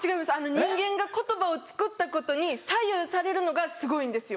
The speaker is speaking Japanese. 人間が言葉をつくったことに左右されるのがすごいんですよ。